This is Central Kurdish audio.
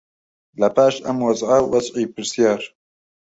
لەپاش ئەم وەزعە وەزعی پرسیار